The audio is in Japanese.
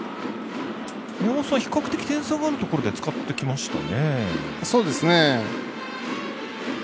比較的、点差があるところで使ってきましたね。